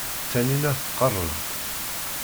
Taninna tqerreb-d.